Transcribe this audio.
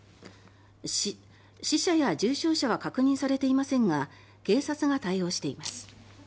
死者や重傷者は確認されていませんが警察が対応しています。